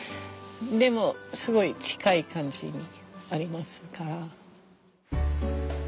でもすごい近い感じありますから。